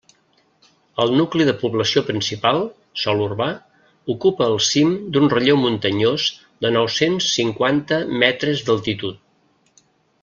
El nucli de població principal, sòl urbà, ocupa el cim d'un relleu muntanyós de nou-cents cinquanta metres d'altitud.